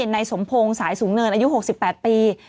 ในสมพงศ์สายสูงเนินอายุ๖๘ปี